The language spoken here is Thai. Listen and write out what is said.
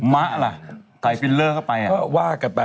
มะล่ะใครฟิลเลอร์เข้าไปก็ว่ากันไป